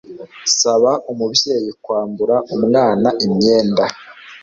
saba umubyeyi kwambura umwana imyenda